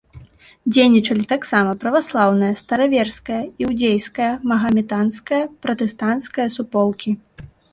Дзейнічалі таксама праваслаўная, стараверская, іудзейская, магаметанская, пратэстанцкая суполкі.